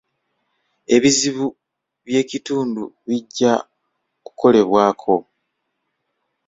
Ebizibu by'ekitundu bijja kukolebwako .